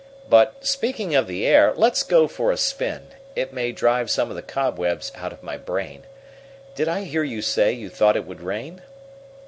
But, speaking of the air, let's go for a spin. It may drive some of the cobwebs out of my brain. Did I hear you say you thought it would rain?"